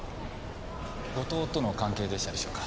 後藤との関係でしたでしょうか？